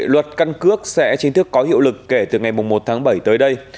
luật căn cước sẽ chính thức có hiệu lực kể từ ngày một tháng bảy tới đây